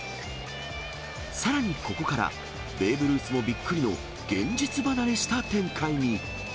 さらにここから、ベーブ・ルースもびっくりの、現実離れした展開に。